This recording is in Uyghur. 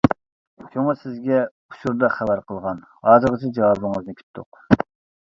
شۇڭا سىزگە ئۇچۇردا خەۋەر قىلغان، ھازىرغىچە جاۋابىڭىزنى كۈتتۇق.